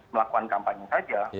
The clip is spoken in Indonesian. melakukan kampanye saja